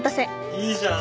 いいじゃん！